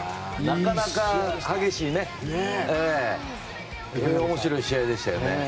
なかなか激しいね面白い試合でしたよね。